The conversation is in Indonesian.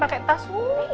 pakai tas wuih